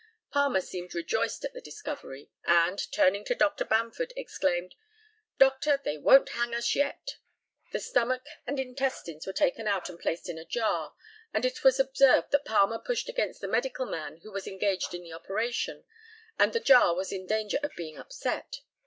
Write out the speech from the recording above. Palmer seemed rejoiced at the discovery, and, turning to Dr. Bamford, exclaimed, "Doctor, they won't hang us yet!" The stomach and intestines were taken out and placed in a jar, and it was observed that Palmer pushed against the medical man who was engaged in the operation, and the jar was in danger of being upset.